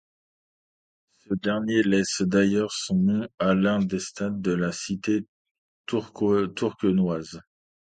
Ce dernier laisse d'ailleurs son nom à l'un des stades de la cité tourquenoise.